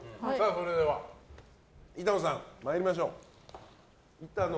それでは、板野さん参りましょう。